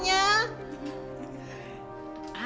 punyanya omas soalnya